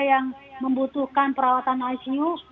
yang membutuhkan perawatan icu